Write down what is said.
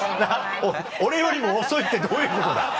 俺よりも遅いってどういうことだ。